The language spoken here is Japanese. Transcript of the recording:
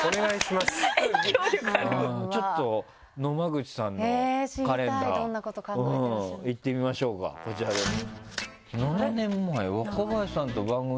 ちょっと野間口さんのカレンダーいってみましょうかこちらです。